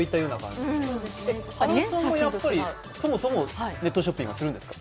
原さんもそもそもネットショッピングするんですか？